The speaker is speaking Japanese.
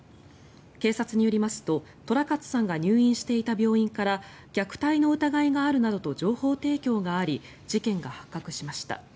警察によりますと寅勝さんが入院していた病院から虐待の疑いがあるなどと情報提供があり事件が発覚しました。